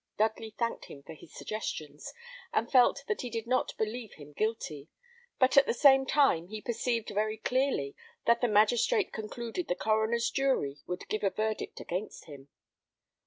Dudley thanked him for his suggestions, and felt that he did not believe him guilty; but at the same time he perceived very clearly that the magistrate concluded the coroner's jury would give a verdict against him.